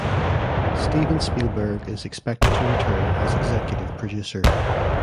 Steven Spielberg is expected to return as executive producer.